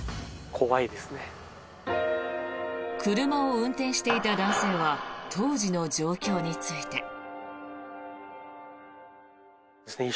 車を運転していた男性は当時の状況について。